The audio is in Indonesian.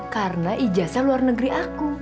karena ijasa luar negeri aku